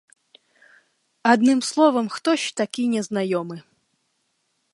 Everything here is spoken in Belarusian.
Адным словам, хтось такі незнаёмы.